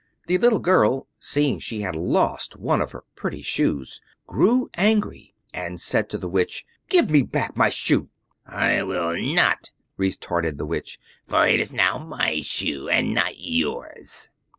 The little girl, seeing she had lost one of her pretty shoes, grew angry, and said to the Witch, "Give me back my shoe!" "I will not," retorted the Witch, "for it is now my shoe, and not yours."